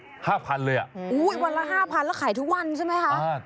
อู้ยอีกวันละ๕พันแล้วขายทุกวันใช่มั้ยคะ